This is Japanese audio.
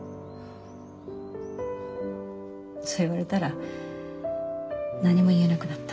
それ言われたら何も言えなくなった。